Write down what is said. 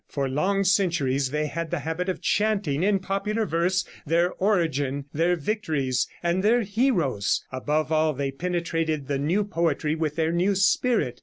For long centuries they had the habit of chanting in popular verse their origin, their victories and their heroes. Above all they penetrated the new poetry with their new spirit.